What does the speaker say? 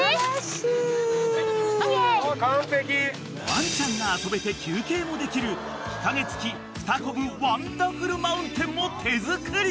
［ワンちゃんが遊べて休憩もできる日陰付きふたこぶワンダフルマウンテンも手作り］